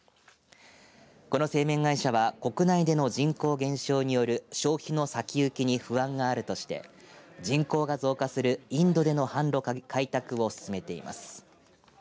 この製麺会社は国内での人口減少による消費の先行きに不安があるとして人口が増加するインドでの販路開拓を進めています。